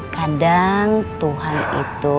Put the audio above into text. kadang tuhan itu